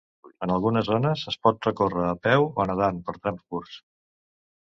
En algunes zones es pot recórrer a peu o nedant per trams curts.